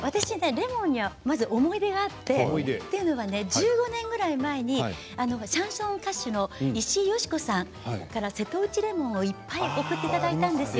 レモンには思い出があって１５年ぐらい前にシャンソン歌手の石井好子さんから瀬戸内レモンをいっぱい送っていただいたんですよ。